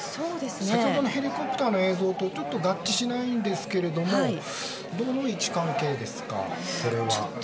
先ほどのヘリコプターの映像とちょっと合致しないんですがどの位置関係ですか、これは。